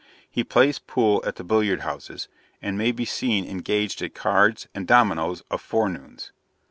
He plays pool at the billiard houses, and may be seen engaged at cards and dominoes of forenoons.